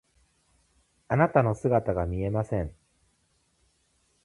あなたの姿が見えません。